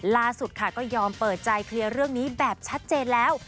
ล่าสุดค่ะก็ยอมเปิดใจเคลียร์เรื่องนี้แบบชัดเจนแล้ว